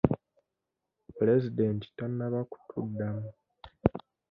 Pulezidenti tanaba kutuddamu.